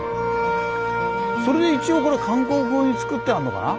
それで一応これ韓国風につくってあるのかな？